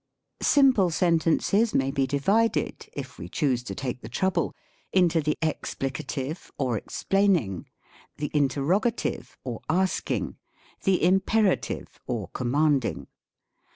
Simple sentences may be divided (if we choose to take the trouble) into the Explicative or explaining ; the Interrogative, or asking ; the imperative, or com manding.